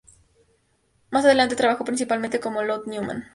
Más adelante trabajó principalmente con Lotte Neumann.